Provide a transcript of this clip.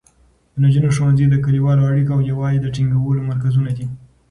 د نجونو ښوونځي د کلیوالو اړیکو او یووالي د ټینګولو مرکزونه دي.